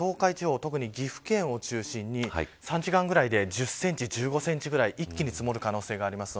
特に岐阜県を中心に３時間くらいで１０センチ１５センチくらい一気に積もる可能性があります。